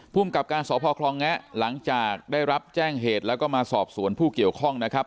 ภูมิกับการสพคลองแงะหลังจากได้รับแจ้งเหตุแล้วก็มาสอบสวนผู้เกี่ยวข้องนะครับ